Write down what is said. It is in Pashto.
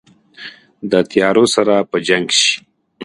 د تیارو سره په جنګ شي